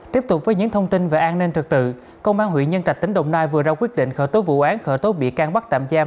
tiếp tục với những thông tin về an ninh trật tự công an huyện nhân trạch tỉnh đồng nai vừa ra quyết định khởi tố vụ án khởi tố bị can bắt tạm giam